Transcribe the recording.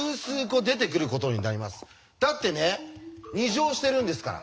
だってね２乗してるんですから。